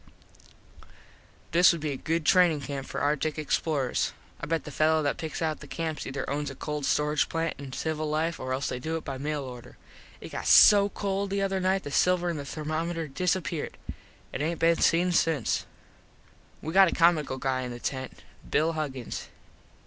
This would be a good trainin camp for artik explorers. I bet the fello that picks out the camps ether owns a cold storage plant in civil life or else they do it by mail order. It got so cold the other night the silver in the thermometer disappeared. It aint been seen since. [Illustration: "STUCK MY HEAD OUT OF THE BLANKETS"] We got a comical guy in the tent. Bill Huggins.